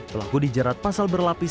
pelaku dijarat pasal berlapis